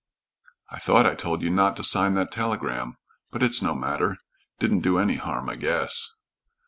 "I thought I told you not to sign that telegram. But it's no matter, didn't do any harm, I guess."